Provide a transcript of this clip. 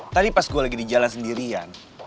tadi pas gue lagi di jalan sendirian